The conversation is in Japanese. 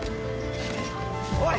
おい！